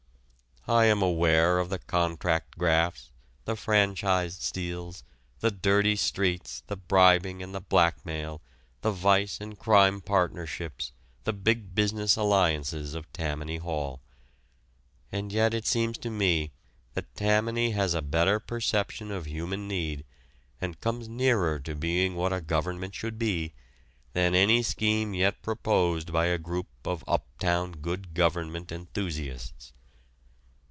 I am aware of the contract grafts, the franchise steals, the dirty streets, the bribing and the blackmail, the vice and crime partnerships, the Big Business alliances of Tammany Hall. And yet it seems to me that Tammany has a better perception of human need, and comes nearer to being what a government should be, than any scheme yet proposed by a group of "uptown good government" enthusiasts.